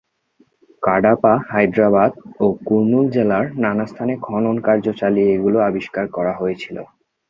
কাডাপা, হায়দরাবাদ ও কুর্নুল জেলার নানা স্থানে খননকার্য চালিয়ে এগুলি আবিষ্কার করা হয়েছিল।